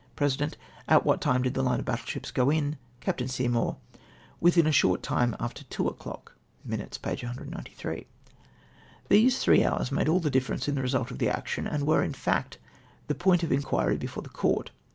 President. — "What time did the line of battle ships go in?" Capt. Seymour. —" Within a short time after two o'clock." {Minutes, p. 193.) These three hours made all the difference in the result of the action, and were in fact the point of in quiry before the court.